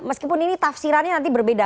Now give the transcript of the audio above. meskipun ini tafsirannya nanti berbeda